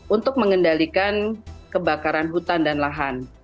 untuk mengendalikan kebakaran hutan dan lahan